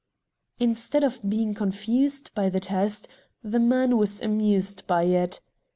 Instead of being confused by the test, the man was amused by it.